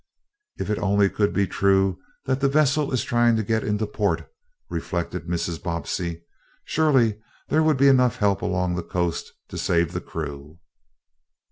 "If it only could be true that the vessel is trying to get into port," reflected Mrs. Bobbsey. "Surely, there would be enough help along the coast to save the crew."